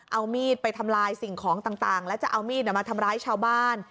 เอามีดไปทำลายสิ่งของต่างแล้วจะเอามีดมาทำร้ายชาวบ้าน